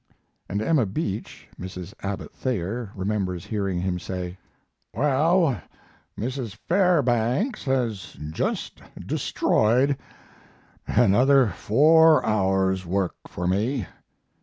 And Emma Beach (Mrs. Abbott Thayer) remembers hearing him say: "Well, Mrs. Fairbanks has just destroyed another four hours' work for me."